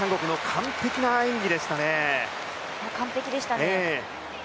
完璧でしたね。